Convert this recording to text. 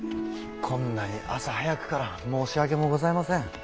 こんなに朝早くから申し訳もございません。